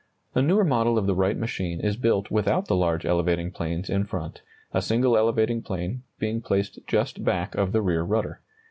A newer model of the Wright machine is built without the large elevating planes in front, a single elevating plane being placed just back of the rear rudder.